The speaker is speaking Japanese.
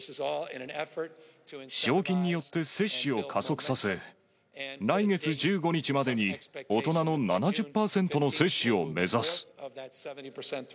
賞金によって、接種を加速させ、来月１５日までに大人の７０％の接種を目指す。